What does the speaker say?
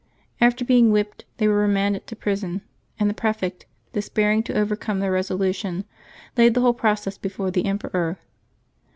After being whipped, they were remanded to prison, and the prefect^ despairing to overcome their resolution, laid the whole process before the emperor.